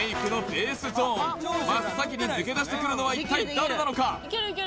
ベースゾーン真っ先に抜け出してくるのは一体誰なのか？